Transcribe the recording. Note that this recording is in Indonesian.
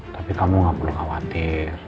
tapi kamu gak perlu khawatir